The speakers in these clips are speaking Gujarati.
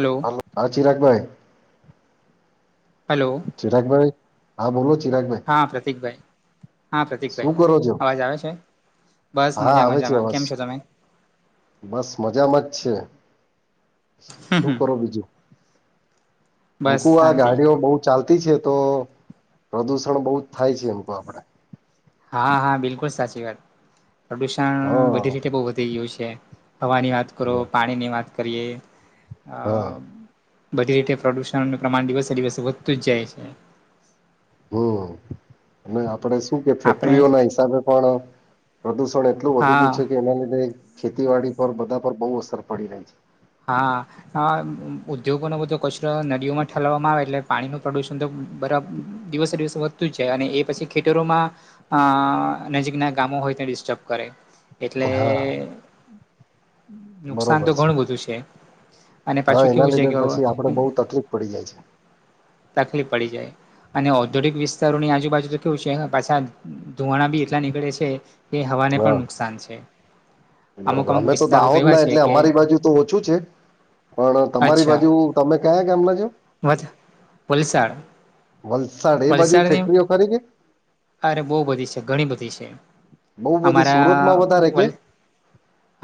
હલો હ હ ચિરાગ ભાઈ હલો! ચિરાગ ભાઈ હા પ્રતિક ભાઈ હા શું પ્રતિકભાઈ કરો છો અવાજ આવે છે? બસ હા મજા આવે છે મજામાં અવાજ કેમ છો તમે? બસ મજામાં જ છે હમ શું હમ કરો બીજું? બસ એમેકુ આ શાંતિ ગાડીઓ બહુ ચાલતી છે તો પ્રદુષણ બહુ જ થાય છે. એમકુ આપડે, હા હા બિલકુલ સાચી વાત, પ્રદુષણ હા બધી રીતે બહુ વધી ગયું છે. હવાની વાત કરો પાણીની વાત કરીએ હા બધી રીતે પ્રદૂષણનું પ્રમાણ દિવસે દિવસે વધતું જ જાય છે. હમ અને આપડે શું કે આપણે ફેક્ટરીઓ ના હિસાબે પણ પ્રદુષણ એટલું વધી હા ગયું છે કે એના લીધે ખેતીવાડી પર બધા પર બહુ અસર પડી રહી છે. હા ઉદ્યોગોનો બધો કચરો નદીઓમાં ઠલવવામાં આવે એટલે પાણીનું પ્રદુષણ તો બરાબ દિવસે દિવસે વધતું જ જાય અને એ પછી ખેતરોમાં હ નજીકના ગામો હોય ત ડિસ્ટર્બ કરે છે એટલે હા નુકસાન તો ઘણું બધું છે. અને હા પાછું એના કેવું છે લીધે કે પછી આપડે બહુ તકલીફ પડી જાય તકલીફ પડી જાય અને ઔદ્યોગિક વિસ્તારોની આજુબાજુ તો કેવું છે પાછા, ધુવાણા બી એટલા નીકળે છે કે હવાને છે પણ હા નુકસાન છે. અમુક બરોબર અમુક અમે તો વિસ્તારો દાહોદ જ એવા ના છે એટલે કે અમારી બાજુ તો ઓછું છે. પણ તમારી અચ્છા બાજુ તમે કયા કેમ ના છો? વલસાડ વલસાડ એ બાજુ વલસાડની ફેક્ટરીઓ ખરી કે? અરે બહુ બધી છે ઘણી બધી છે બહુ બધી સુરતમાં અમારા વધારે કે વ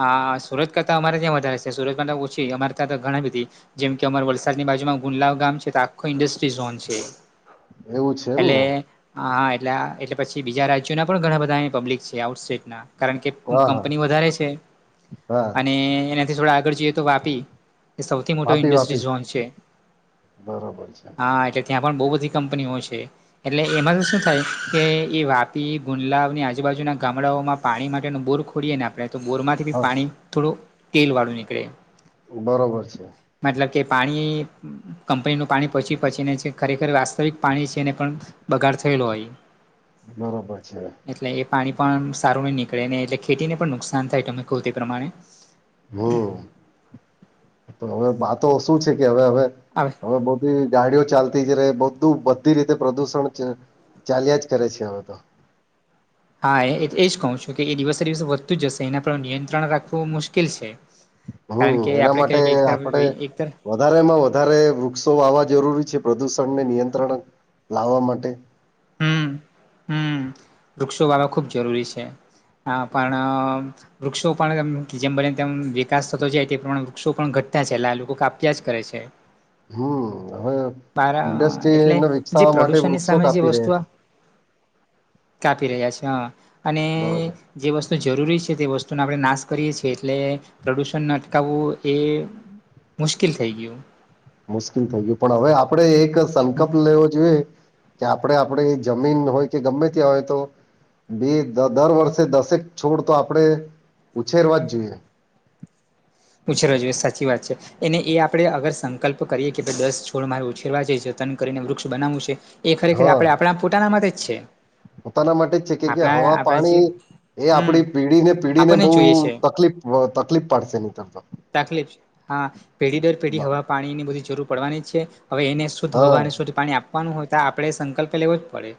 હા સુરત કરતા અમારે ત્યાં વધારે છે સુરત માં ઓછી અમારે ત્યાં ઘણી બધી જેમ કે અમારે વલસાડની બાજુમાં ગુંલાવ ગામ છે તો આખો ઇન્ડસ્ટ્રી ઝોન છે. એવું છે એમ એટલે ને હા હા એટલે એટલે પછી બીજા રાજ્યોના પણ ઘણા બધા પબ્લિક છે આઉટ સેટના કારણ કે હા હા કંપની વધારે છે હા અને એનાથી થોડા આગળ જઈએ તો વાપી એ સૌથી મોટો વાપી વાપી ઇન્ડસ્ટ્રી ઝોન છે. બરોબર છે હા એટલે ત્યાં પણ બહુ બધી કંપનીઓ છે. એટલે એમાં તો શું થાય કે એ વાપી ગુંડલાની આજુબાજુના ગામડાઓમાં પાણી માટેનો બોર ખો ખોડીએ ને આપણે તો બોરમાંથી બી હા પાણી થોડું તેલ વાળું નીકળે બરોબર છે. મતલબ કે પાણી કંપનીનું પાણી પહોચી પહચીને છે ખરેખર વાસ્તવિક પાણી છે ને પણ બગાડ થયેલો હોય બરાબર છે. એટલે એ પાણી પણ સારું નહી નીકળે નને એટલે ખેતીને પણ નુકસાન થાય તમે કહો તે પ્રમાણે. હમ તો હવે વાતો શું છે કે હવે હવે, અઆવે હવે બધી ગાડીઓ ચાલતી જ ર બધું બધી રીતે પ્રદૂષણ છે. ચાલ્યા જ કરે છે હવે તો. હા એ એજ કહું છું કે એ દિવસે દિવસ વધતું જશે એના પર નિયંત્રણ રાખવું મુશ્કેલ છે. કારણ કે આપડ ક કે એક તરફ એક તર વધારે માં વધારે વૃક્ષો વાવા જરૂરી છે પ્રદૂષણને નિયંત્રણ લાવવા માટે, હમ હમ વૃક્ષો વાળો ખૂબ જરૂરી છે હ પણ વૃક્ષો પણ જેમ બને તેમ વિકાસ થતો જાય તે પ્રમાણે વૃક્ષો પણ ઘટતા છે એટલે લોકો કાપ્યા જ કરે છે. હમ હવે બાર એટલે ઇન્ડસ્ટ્રીને જે વિકસાવવા માટે પ્રદુષણની વૃક્ષો સામે જે કાપી વસ્તુ રહ્યા છે. કાપી રહ્યા છે હા અને બરોબર જે વસ્તુ જરૂરી છે તે વસ્તુનો આપણે નાશ કરીએ છીએ એટલે પ્રદુષણ અટકાવવું એ મુશ્કેલ થઈ ગયું. મુશ્કેલ થઈ ગયું પણ હવે આપડે એક સંકલ્પ લેવો જોઈએ કે આપણે આપણે જમીન હોય કે ગમે ત્યાં હોય તો બેી દર વર્ષે દસેક છોડ તો આપડે ઉછેરવા જ જોઈએ. પછેવો જોઈએ સાચી વાત છે. એને એ આપડણે અગર સંકલ્પ કરીએ કે ભ દસ છોડ મારે ઉછેરવા છે જતન કરીને વૃક્ષ બનાવું છે. એ ખરેખર હા આપડે આપણા પોતાના માટે જ છે. પોતાના માટે જ છે કેમકે હવા આપણા આપણા જે પાણી એ હમ આપડી પીડીને પીડીને બહ આપણને જોઈએ છે તકલીફ તકલીફ પડશે નની તર તો. તકલીફ હા પેઢી દર પેઢી હવા પાણી ની બધી જરૂર પડવાની છે હવે એને હા શધવાની શુદધ પાણી આપવાનું હોય તો આપણે સંકલ્પ લેવો જ પડે.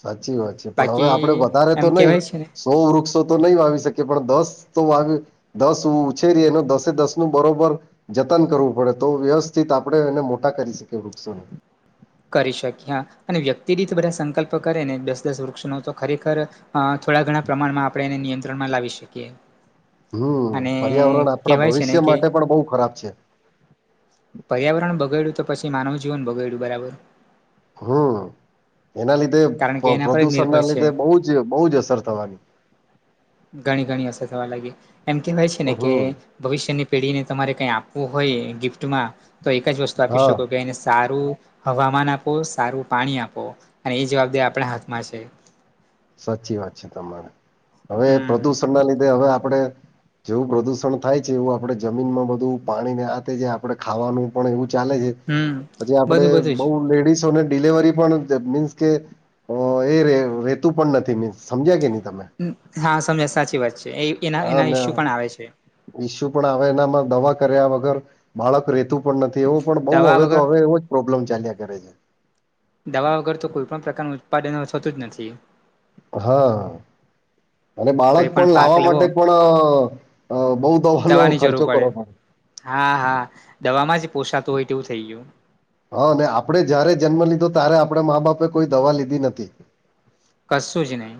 સાચી વાત છે પણ હવે આપડે બાકી વધારે તો એમ નહી કેહેવાય છે ને સો વૃક્ષો તો નહીં વાવી શકે પણ દસ તો વાવીએ. દસ હ ઉછેરી એનો દસે દસ નું બરોબર જતન કરવું પડે તો વ્યવસ્થિત આપણે એને મોટા કરી શકીએ વૃક્ષોને. કરી શકી અને વ્યક્તિ રીત બધા સંકલ્પ કરે ને દસ દસ વૃક્ષનો તો ખરેખર અ થોડા ઘણા પ્રમાણમાં આપણે એને નિયંત્રણમાં લાવી શકીએ. હમ અને પર્યાવરણ આપણા કહેવાય છે ને ભવિષ્ય કે માટે પણ બહુ ખરાબ છે. પર્યાવરણ બગાડ્યું તો પછી માનવ જીવન બગાડ્યું બરાબર. હમ એના લીધે કારણ કે એના પર જ પ્રદુષણ નિર્ભર ના છે લીધે બહ જ બહુ જ અસર થવાની. ઘણી ઘણી અસર થવા લાગી એમ કહેવાય છે ને કે હમ ભવિષ્યની પેઢીને તમારે કઈ આપવું હોય ગિફ્ટમાં તો એક જ વસ્તુ આપી હા શકો કે એને સારું હવામાન આપો સારું પાણી આપો અને એ જવાબદારી આપણા હાથમાં છે. સાચી વાત છે તમારે હવે હમ પ્રદુષણ ના લીધે હવે આપડે જેવું પ્રદુષણ થાય છે એવું આપડે જમીનમાં બધું પાણીને આ જે આપણે ખાવાનું પણ એવું ચાલે છે હમ પછી આપડે બધું બધું જ બઉ લેડીસોને ડિલેવરી મીન્સ કે એ રેતું પણ નથી મીન્સ સમજ્યા કે નહી તમે. હા સમજા સાચી વાત છે એ એના હા એના ને ઇસ્યુ પણ આવે છે. ઈસ્યુ પણ આવે એનામાં દવા કર્યા વગર બાળક રેતું પણ નથી એવો પણ બહુ દવા હવે તો વગર હવે એવો જ પ્રોબ્લેમ ચાલ્યા કરે છે. દવા વગર તો કોઈ પણ પ્રકારનું ઉત્પાદન થતું જ નથી. હાં. અને કઈ બાળક પણ પાક લાવવા માટે લેવો પણ બઉ દવાનો દવાની જરૂર ખર્ચો કરવો પડે. હા હા દમાં જ પોષાતું હોય તેવું થઈ ગયું. હા ને આપડે જયારે જન્મ લીધો ત્યારે આપણે મા બાપે કોઈ દવા લીધી નથી. કસું જ નહી.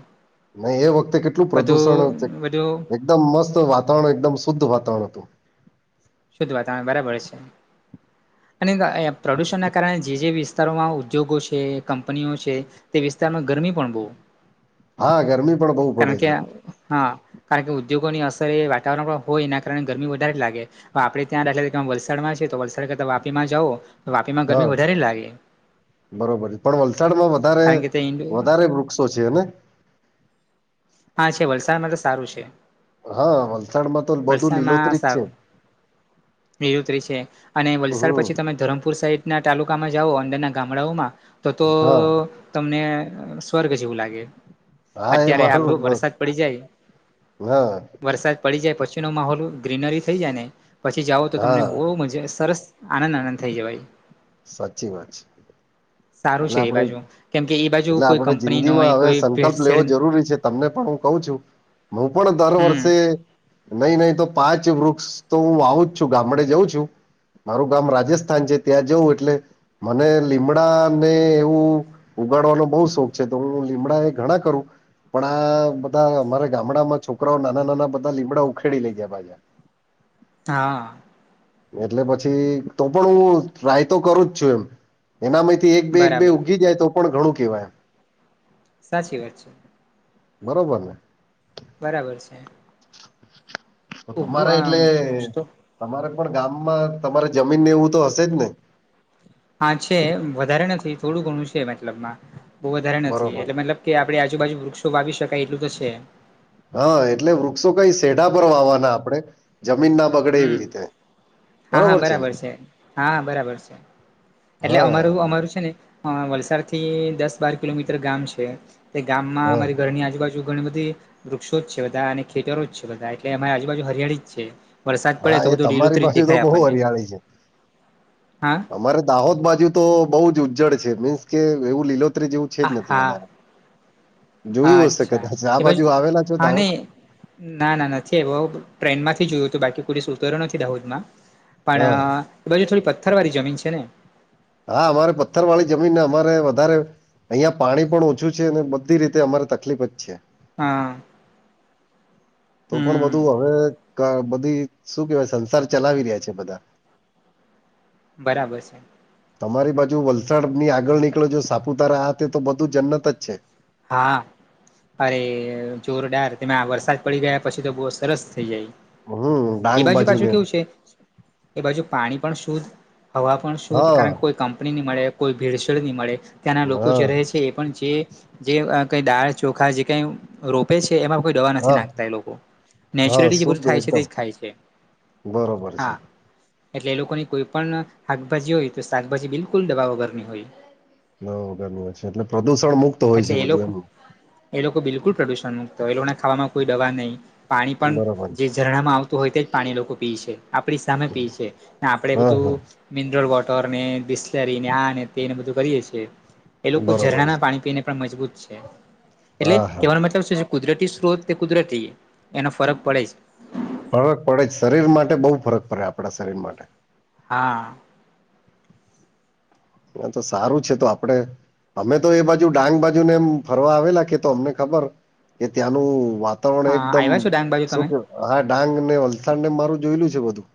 નહી એ વખતે કેટલું પ્રદુષણ છે. બધું એકદમ મસ્ત વાતાવરણ એકદમ શુદ્ધ વાતાવરણ હતું. શુધી વાતમે બરાબર છે. અને પ્રદૂષણના કારણે જે જે વિસ્તારોમાં ઉદ્યોગો છે કંપનીઓ છે તે વિસ્તારમાં ગરમી પણ બહુ હા ગરમી પણ બહુ પડે કારણ કે છે. હા કારણ કે ઉદ્યોગોની અસર એ વાતાવરણ પણ હોય એના કારણે ગરમી વધારે જ લાગે. તો આપડે ત્યાં દાખલા કે વલસાડ માં છે તો વલસાડ કરતા વાપીમાં જઓ તો વાપી માં હા ગરમી વધારે ને લાગે. બરોબર છે પણ વલસાડમાં વધારે કારણ કે તે ઇન્ડો વધારે વૃક્ષો છેને! હા છે વલસાડમાં તો સારું છે. હા વલસાડ માં તો બધું લીલોતરીત છે. નિવુતરી છે અને વલસાડ હમ પછી તમે ધરમપુર સાઈડ ના તાલુકામાં જાઓ અંંદરના ગામડાઓમાં તો તો હા તમને સ્વર્ગ જેવું લાગે. હા એ અત્યારે માહલુ આવરું વરસાદ પડી જાય વરસાદ પડી જાય પછી નો માહોલ ગ્રીનરી થઈ જાય ને. પછી જાઓ તો તમને હા બહુ મજા સરસ આનંદ આનંદ થઈ જવાઈ. સાચી વાત છે. સારું એટલે છે એ આપડે બાજુ કેમ કે એ બાજુ એટલે કોઈ આપડણે કંપની ન જિંદગી માં હોય હવે કોઈ સંકલ્પ લેવો ભેળસેળ જરૂરી છે. તમને પણ હું કું છું હું પણ દર હમ વર્ષે. નહી નહીં તો પાંચ વૃક્ષ તો હું આવું જ છું ગામડે જઉં છું. મારું ગામ રાજસ્થાન છે ત્યાં જવું એટલે મને લીમડા ને એવું ઉગાડવાનો બહુ શોખ છે તો હું લીમડા એ ઘણા કરું. પણ આ બધા અમારા ગામડામાં છોકરાઓ નાના નાના બધા લીમડા ઉખેડી લઈ ગયાજા પછા. [inaudible] હા. એટલે પછી તો પણ હું ટ્રાય તો કરું જ છું એમ. એનામાંથી એક બે એક બે બરાબર ઉગી જાય તો પણ ઘણું કેહેવાય. સાચી વાત છે. બરોબર ને. બરાબર છે. તો ઉઘું તમારે આ એટલે વૃક્ષ તો તમારે પણ ગામમાં તમારે જમીનને એવું તો હશે જ ને. હા છે વધારે નથી થોડું ઘણું છે મતલબમાં બહુ વધારે નથી બરોબર એટલે મતલબ કે આપે આજુબાજુ વૃક્ષો વાવી શકાય એટલું તો છે. હા એટલે વૃક્ષો કઈ સેઢ પર હમ. વાવાના આપડણે જમીન ના પગડે હમ એવી રીતે હા હા બરોબર ને બરાબર છે હા હા બરાબર છે એટલે હા અમારું અમારું છે ને. હ વલસાડ થી દસ બાર કિલોમીટર ગામ છે તે ગામમાં હા અમારી ઘરની આજુબાજુ. ઘણી બધી વૃક્ષો જ છે બધા અને ખેતરો જ છે બધા એટલે અમારી આજુબાજુ હરિયાળી જ છે. વરસાદ પડે હા તો એ બધું તમારી લીલોતરી જ પાસે તો દેખાય બહુ આપણને હરિયાળી છે હા અમારે. દાહોદ બાજુ તો બઉુ જ ઉજ્જળ છે મીન્સ કે એવું લીલોત્રી જેવું. છે જ નથી હા વધારે હા જોયું હશે અચ્છા કાચ આ એ બાજુ આવેલા છો તો હા દાહોદ. નહી ના ના નથી એવ ટ્રેન માંથી જોયું હતું બાકી કોઈ દિવસ ઉતરો નથી દાહોદ માં. હા પણ એ બાજુ થોડી પથ્થર વાળી જમીન છે ને હા અમારે પથ્થર વાળી જમીનને અમારે વધારે. અહિયાં પાણી પણ ઓછું છે અને બધી રીતે અમારે તકલીફ જ છે. હમ. તો પણ બધું હવે બધી શું કેવાય સંસાર ચલાવી રહ્યા છે બધા. બરાબર છે. તમારી બાજુ વલસાડ ની આગળ નીકળો જો સાપુતારા આ તે તો બધું જન્નત જ છે. હા અરે જોરદાર. તે વરસાદ પડી ગયા પછી તો બહુ સરસ થઈ જાય હમ ડાંગ એ બાજુ પાછું ને એમ. કેવું છે. એ બાજુ પાણી પણ શુદ્ધ હવા પણ શુદ્ધ હા કારણ કે કોઈ કંપની ન મળે કોઈ ભીડછેડ નહી મળે ત્યાંના લોકો હા જે રહે છે એ પણ જે જે કઈ દાળ ચોખા જે કઈ રોપે છે એમાં કોઇ દવા નથી હા લાગતા એ લોકો, હા નેચરલી જે શુદ્ધ થાય છે એ એકદમ જ ખાય છે. બરોબર હા છે. એટલે એ લોકોની કોઈ પણ શાકભાજી હોય તો શાકભાજી બિલકુલ દવા વગર ની હોય. દવા વગરનું છે એટલે પ્રદુષણ મુક્ત હોય છે અછા યે બધું લોગ એમ એટલે એ લોકો એ લોકો બિલકુલ પ્રદુષણ મુક્ત હોય એ લોકોને ખાવામાં કોઈ દવા નહી પાણી પણ બરોબર જે ઝરણામાં આવતું હોય તે જ પાણી લોકો પી છે. આપણી સામે પી છે, આપણે હા હા બધું મિનરલ વોટરને, બિસ્લરીને, આ ને તે ને બધું કરીએે છીએ, એ લોકો બરોબર ઝરણાના છે. પાણી પીને મજબૂત છે એટલે હા હા કેહવાનો મતલબ છે કુદરતી સ્ત્રોત કે કુદરતી એનો ફરક પડે છે. ફરક પડે જ શરીર માટે બહુ ફરક પડે આપણા શરીર માટે હા. ન તો સારું છે તો આપણે અમે તો એ બાજુ ડાંગ બાજુને એમ ફરવા આવેલા કે તો અમને ખબર કે ત્યાંનું વાત વરણ હા એકદમ આવ્યા છો ડાંગ બાજુ શું તમે કે, હા ડાંગ ને વલસાડ ને મારું જોયેલું છે બધું.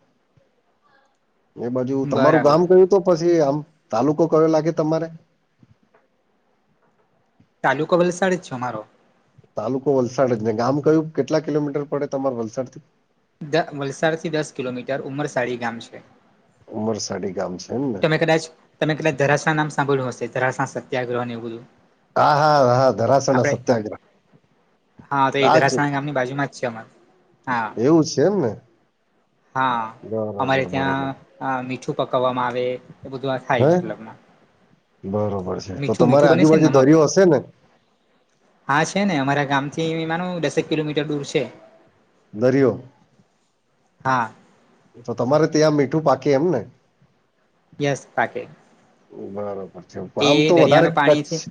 એ બાજુ તમારું ગામ બરાબર કયું તો પછી આમ તાલુકો કયો લાગે તમારે? તાલુકો વલસાડ છે અમારો. તાલુકો વલસાડ જ ને ગામ કયું કેટલા કિલોમીટર પડે તમારે વલસાડ થી? વલસાડથી દસ કિલોમીટર ઉમરસાળી ગામ છે. ઉમરસાડી ગામ છે એમક તમે કદાચ તમે કદાચ ધરાસણા નામ સાંભળ્યું હશે, ધરાસણા સત્યાગ્રહને એવુ બધું હા હા હા ધરાસણા આપણે સત્યાગ્રહ હા તો ઇ ધરાસણા ગામની બાજુમાં છે અમારે. એવું છે એમ ને. હા અમારે બરોબર બરોબર ત્યાં મીઠું પકવવામાં આવે એ બધું હે થાય મતલબ બરોબર છે તો તમારી બને છે આજુબાજુ ને નમક દરિયો હશે ને હા છે ને, અમારા ગામ થી માનું દસેક કિલોમીટર દૂર છે. દરિયો હા. તો તમારે ત્યાં મીઠું પાકે એમ ને યસ પાકે. બરોબર છે એ આમ તો વધારે દરિયાનું કચ્છ પાણીથી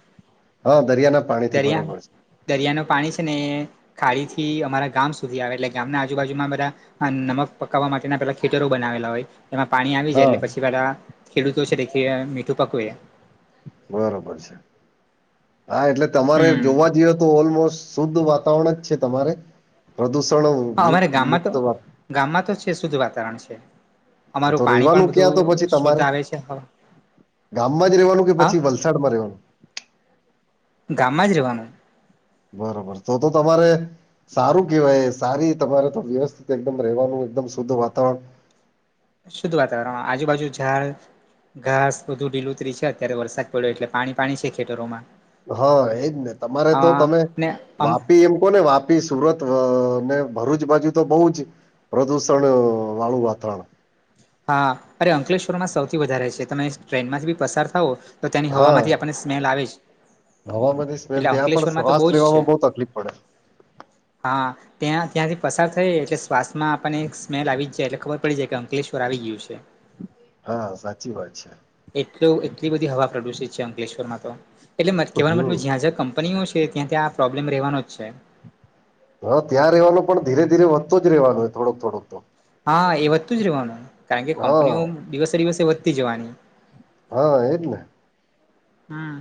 હા દરિયાના પાણી થી દરિયા બરોબર છે દરિયાનું પાણી છે ને એ ખાડીથી અમારા ગામ સુધી આવે એટલે ગામના આજુબાજુમાં બધા અને નમક પકાવવા માટેના પેલા ખેતરો બનાવેલા હોય એમાં પાણી આવી જાય હા એટલે પછી બધા ખેડૂતો છે મીઠું પકવે બરોબર છે, હા એટલે તમારે હમ જોવા જઈએ તો ઓલમોસ્ટ શુદ્ધ વાતાવરણ જ છે તમારે હા અમારે ગામમાં પ્રદુષણમુક્ત તો ગામમાં તો છે શુદ્ધ વાતાવરણ છે. અમારું તો પાણી પણ રેવાનું ક્યાં તો બધું પછી શુદ્ધ તમારે આવે છે પણ ગામમાં જ રહેવાનું કે પછી વલસાડમાં રહેવાનું? ગામમાં જ રહેવાનું. બરોબર તો તો તમારે સારું કેવાય સારી તમારે તો વ્યવસ્થિત એકદમ રહેવાનું એકદમ શુદ્ધ વાતાવરણ શુદ્ધ વાતાવરણ આજુબાજુ ઝાડ ઘાસ બધું ઢીલુંતરી છે, અત્યારે વરસાદ પડ્યો એટલે પાણી પાણી છે ખેતરોમાં હા એજ ને તમારે અ તો તમે ને અમ વાપી એમ કોને વાપી વાપી સુરત ને ભરૂચ બાજુ તો બહુ જ પ્રદુષણ વાળું વાતાવરણ હા અરે અંકલેશ્વર માં સૌથી વધારે છે તમે ટ્રેનમાંથી બી પસાર થાવો. તો તેની હવામાંથી આપણને સ્મેલ આવે જ. હવામાંથી એટલે સ્મેલ ત્યાં પણ અંકલેશ્વરમાં તો શ્વાસ બહુ જ છે લેવામાં બહુ તકલીફ પડે. હા ત્યાં ત્યાંથી પસાર થાય એટલે શ્વાસમાં આપણને એક સ્મેલ આવી જાય એટલે ખબર પડી જાય કે અંકલેશ ર આવી ગયું છે. હા સાચી વાત છે. એટ એટલી બધી હવા પ્રદુષિત છે, અંકલેશ્વરમાં તો એટલે કેહેવા મત હમ જ્યાં જ્યાં છે ત્યાં ત્યાં પ્રોબ્લેમ રહેવાનો જ છે. હ ત્યાં રહેવાનું પણ ધીરે ધીરે વધતો જ રહેવાનું હોય થોડોક થોડોક તો. હા એ વધતું જ રહેવાનું કારણ કે કંપનીઓ હા દિવસે દિવસે વધતી જવાની. હા એજ ને હમ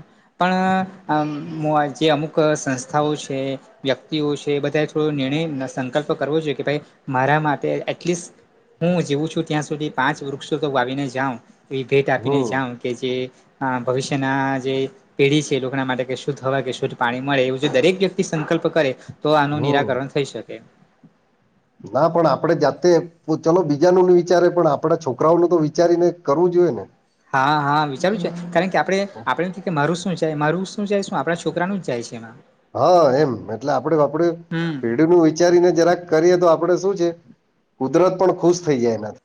પણ જે અમુક સંસ્થાઓ છે. વ્યક્તિઓ છે એ બધા થોડો નિર્ણય સંકલ્પ કરવો જોઈએ કે ભાઈ મારા માટે એટલીસ્ટ. હું જીવું છું ત્યાં સુધી પાંચ વૃક્ષો તો વાવીને જાઉ. એવી ભેટ આપીને હમ જાઉં કે જે આ ભવિષ્યના જે. પેઢી છે લોકોના માટે ક શું થવા કે શું પાણી મળે એવું દરેક વ્યક્તિ સંકલ્પ કરે. તો આનું હમ નિરાકરણ થઈ શકે. ના પણ આપડે જાતે. ચલો બીજા ન વિચારે પણ આપડા છોકરાઓનું તો વિચારીને કરવું જોઈએ ને. હા હા વિચારું છે કારણ કે આપણે આપડ મારું શું જાય મારું શું જાય શું આપણા છોકરાનું જાય છે એમાં. હા એમ એટલે આપડે આપડે હમ પેઢીનું. વિચારીને જરાક કરીએ તો આપડે શું છે કુદરત પણ ખુશ થઈ જાય એનાથી.